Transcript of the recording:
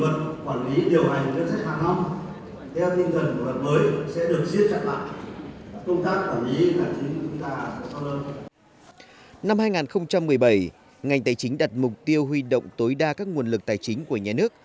năm hai nghìn một mươi bảy ngành tài chính đặt mục tiêu huy động tối đa các nguồn lực tài chính của nhà nước